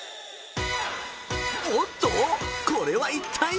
おっと、これは一体？